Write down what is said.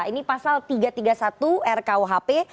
ini pasal tiga ratus tiga puluh satu rkuhp